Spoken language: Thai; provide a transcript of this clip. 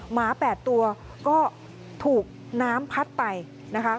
หมา๘ตัวก็ถูกน้ำพัดไปนะคะ